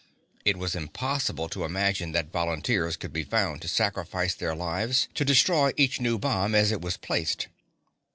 It was impossible to imagine that volunteers could be found to sacrifice their lives to destroy each new bomb as it was placed.